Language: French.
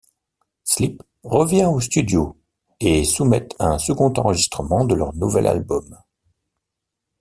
Sleep revient au studio et soumettent un second enregistrement de leur nouvel album.